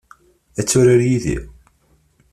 Ad turar yid-i?